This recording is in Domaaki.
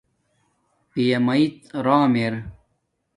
پیا میڎ راحم ارا